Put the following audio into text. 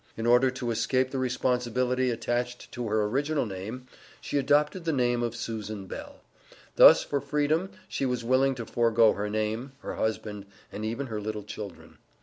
In order to escape the responsibility attached to her original name, she adopted the name of Susan Bell. Thus for freedom she was willing to forego her name, her husband, and even her little children.